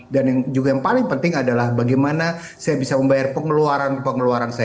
dan juga yang paling penting adalah bagaimana saya bisa membayar pengeluaran pengeluaran saya